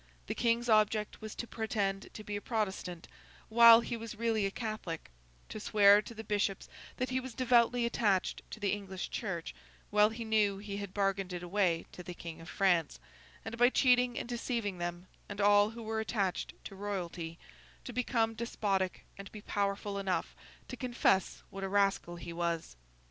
The King's object was to pretend to be a Protestant, while he was really a Catholic; to swear to the bishops that he was devoutly attached to the English Church, while he knew he had bargained it away to the King of France; and by cheating and deceiving them, and all who were attached to royalty, to become despotic and be powerful enough to confess what a rascal he was.